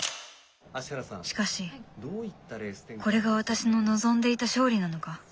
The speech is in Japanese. しかしこれが私の望んでいた勝利なのか？